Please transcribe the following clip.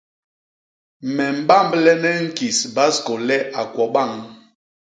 Me mbamblene ñkis baskô le a kwo bañ.